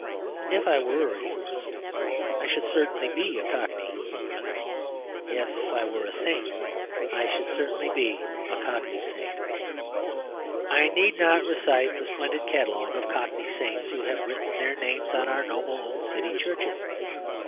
If I were a humourist, I should certainly be a Cockney humourist; if I were a saint, I should certainly be a Cockney saint. I need not recite the splendid catalogue of Cockney saints who have written their names on our noble old City churches.